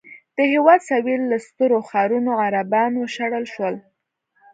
د هېواد سوېل له سترو ښارونو عربان وشړل شول.